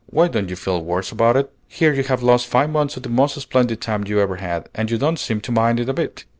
"Why don't you feel worse about it? Here you have lost five months of the most splendid time you ever had, and you don't seem to mind it a bit!